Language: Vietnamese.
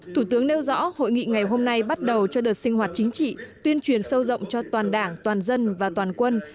thủ tướng nêu rõ hội nghị ngày hôm nay bắt đầu cho đợt sinh hoạt chính trị tuyên truyền sâu rộng cho toàn đảng toàn dân và toàn quân